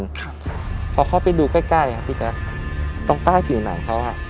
ครับพอเข้าไปดูใกล้ใกล้ครับพี่แจ๊คตรงป้ายผิวหนังเขาอ่ะ